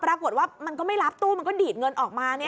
ปรากฏว่ามันก็ไม่รับตู้มันก็ดีดเงินออกมา